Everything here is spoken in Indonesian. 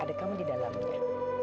ada kamu di dalamnya